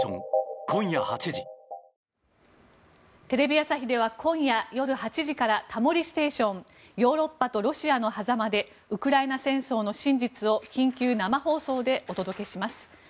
テレビ朝日では今夜、夜８時から「タモリステーションヨーロッパとロシアの狭間でウクライナ戦争の真実」を緊急生放送でお届けします。